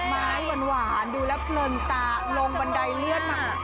ดอกไม้หวานดูแล้วเปิดตาลงบันไดเลี้ยนมา